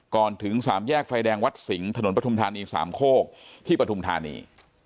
ถึงสามแยกไฟแดงวัดสิงห์ถนนปฐุมธานีสามโคกที่ปฐุมธานี